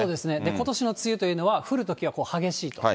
ことしの梅雨というのは降るときは激しいと。